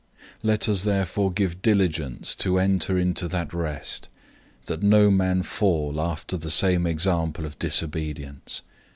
004:011 Let us therefore give diligence to enter into that rest, lest anyone fall after the same example of disobedience.